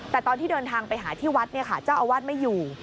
แต่ตอนที่เดินทางไปหาที่วัดเจ้าอาวาสไม่อยู่